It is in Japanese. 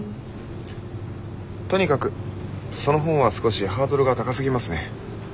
とにかくその本は少しハードルが高すぎますね。